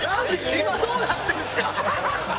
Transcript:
今どうなってるんすか？